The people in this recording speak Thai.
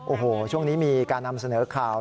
โอ้โหช่วงนี้มีการนำเสนอข่าว